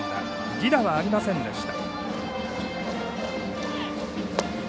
犠打はありませんでした。